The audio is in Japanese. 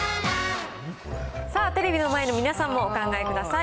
さあ、テレビの前の皆さんもお考えください。